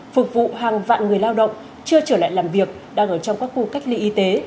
phục vụ hàng vạn người lao động chưa trở lại làm việc đang ở trong các khu cách ly y tế